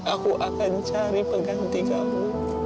aku akan cari peganti kamu